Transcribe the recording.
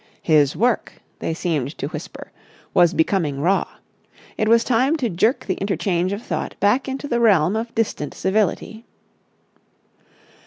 His work, they seemed to whisper, was becoming raw. It was time to jerk the interchange of thought back into the realm of distant civility.